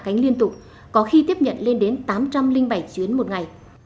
các hãng hàng liên tục có khi tiếp nhận lên đến tám trăm linh bảy chuyến một ngày